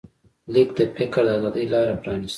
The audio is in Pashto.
لیک د فکر د ازادۍ لاره پرانسته.